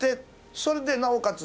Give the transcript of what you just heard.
それでなおかつ